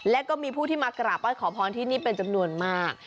และก็มีผู้ที่มากราบไห้ขอพรที่นี่เป็นจำนวนมาก